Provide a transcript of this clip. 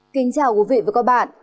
kính chào quý vị và các bạn